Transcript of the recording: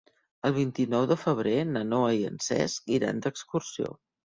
El vint-i-nou de febrer na Noa i en Cesc iran d'excursió.